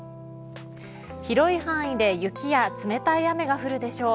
広い範囲で雪や冷たい雨が降るでしょう。